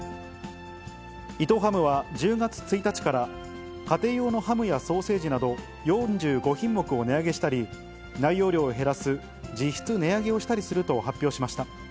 伊藤ハムは１０月１日から、家庭用のハムやソーセージなど４５品目を値上げしたり、内容量を減らす実質値上げをしたりすると発表しました。